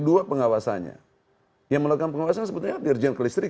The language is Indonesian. dua pengawasannya yang melakukan pengawasan sebetulnya dirjen kelistrikan